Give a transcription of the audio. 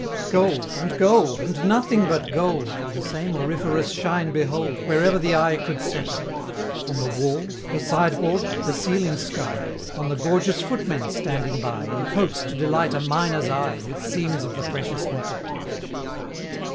Gold! and gold! and nothing but gold! The same auriferous shine behold Wherever the eye could settle! On the walls the sideboard the ceiling sky On the gorgeous footmen standing by, In coats to delight a miner's eye With seams of the precious metal.